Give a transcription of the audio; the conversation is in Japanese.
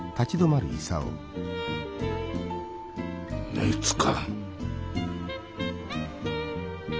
熱か。